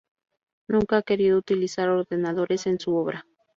Nunca ha querido utilizar ordenadores en su obra.